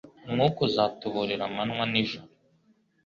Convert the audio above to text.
umwuka azatuburira amanywa nijoro